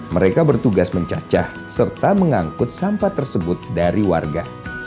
mereka bertugas mencacah serta mengangkut sampah tersebut dari warga